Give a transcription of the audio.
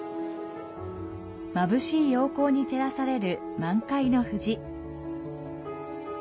眩しい陽光に照らされる満開の藤。